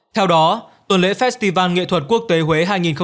theo đó tuần lễ festival nghệ thuật quốc tế huế hai nghìn hai mươi bốn